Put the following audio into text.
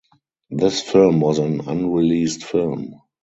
This film was an unreleased film.